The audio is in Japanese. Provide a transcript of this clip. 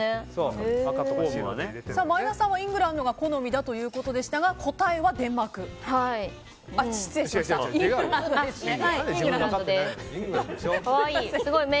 前田さんはイングランドが好みだということですが答えはイングランドですね。